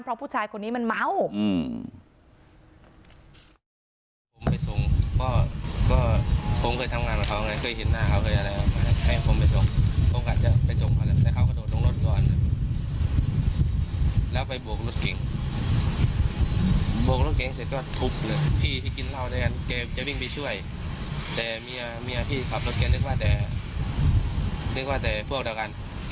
เพราะผู้ชายคนนี้มันเมา